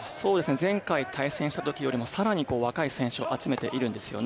前回対戦したときよりも、さらに若い選手を集めています。